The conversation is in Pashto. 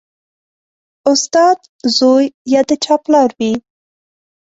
استاد زوی یا د چا پلار وي